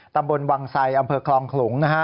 ตำบลวังไซอำเภอคลองขลุงนะฮะ